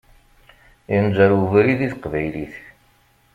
Yenǧer webrid i teqbaylit.